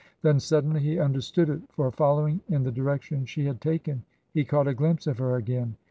Then suddenly he understood it, for following in the direction she had taken, he caught a glimpse of her again.